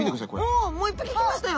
おっもう一匹来ましたよ！